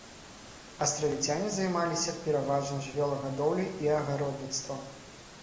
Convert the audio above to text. Астравіцяне займаліся пераважна жывёлагадоўляй і агародніцтвам.